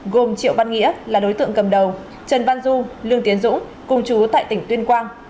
gồm triệu văn nghĩa là đối tượng cầm đầu trần văn du lương tiến dũng cùng chú tại tỉnh tuyên quang